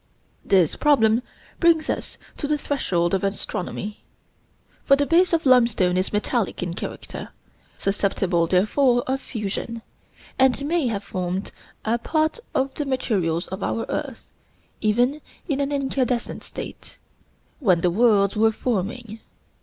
This problem brings us to the threshold of astronomy; for the base of limestone is metallic in character, susceptible therefore of fusion, and may have formed a part of the materials of our earth, even in an incandescent state, when the worlds were forming.